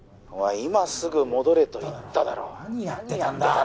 今すぐ戻れと言っただろ何やってたんだッ